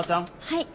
はい。